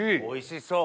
おいしい！